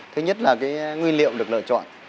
thứ nhất là cái nguyên liệu được lựa chọn